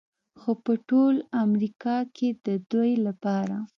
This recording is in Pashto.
خو په ټول امریکا کې د دوی لپاره